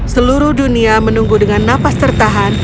seluruh dunia menunggu dengan napas tertahan